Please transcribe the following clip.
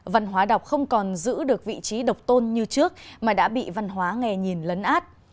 văn hóa đọc không còn giữ được vị trí độc tôn như trước mà đã bị văn hóa nghe nhìn lấn át